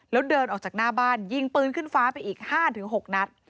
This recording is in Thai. แล้วเดินออกจากหน้าบ้านยิงปืนขึ้นฟ้าไปอีก๕๖นัด